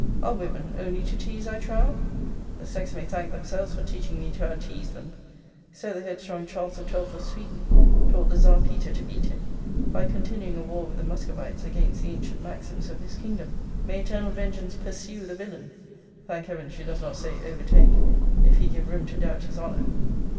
Are women only to tease, I trow? The sex may thank themselves for teaching me to out tease them. So the headstrong Charles XII. of Sweden taught the Czar Peter to beat him, by continuing a war with the Muscovites against the ancient maxims of his kingdom. 'May eternal vengeance PURSUE the villain, [thank heaven, she does not say overtake,] if he give room to doubt his honour!'